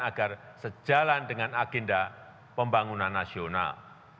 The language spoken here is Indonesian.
agar sejalan dengan agenda pembangunan nasional